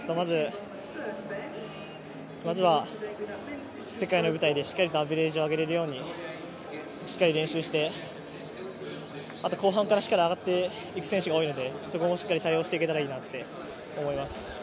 まずは世界の舞台でしっかりとアベレージを上げられるようにしっかり練習して、後半から上がっていく選手が多いので、そこもしっかり対応していけたらいいなと思います。